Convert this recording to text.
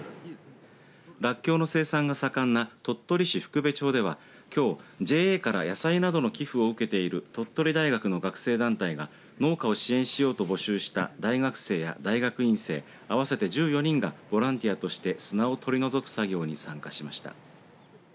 らっきょうの生産が盛んな鳥取市福部町ではきょうＪＡから野菜などの寄付を受けている鳥取大学の学生団体が農家を支援しようと募集した大学生や大学院生合わせて１４人がボランティアとして砂を取り除く作業に参加しました。